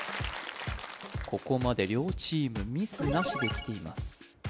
ここまで両チームミスなしできています